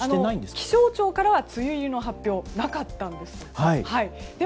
気象庁からは梅雨入りの発表なかったんです。